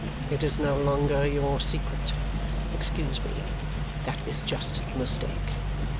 It is no longer your secret. Excuse me. That is just the mistake.